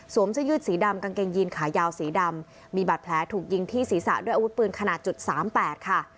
เสื้อยืดสีดำกางเกงยีนขายาวสีดำมีบาดแผลถูกยิงที่ศีรษะด้วยอาวุธปืนขนาดจุดสามแปดค่ะ